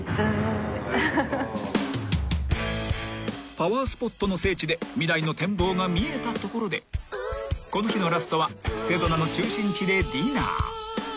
［パワースポットの聖地で未来の展望が見えたところでこの日のラストはセドナの］